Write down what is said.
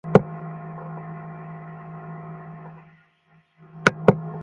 অনিলের ভাষ্যমতে, গতকাল সকালে মাছ ধরার সময় নৌকা থেকে শ্রীধাম পড়ে যান।